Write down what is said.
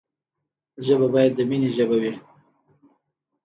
ژبه باید د ميني ژبه وي.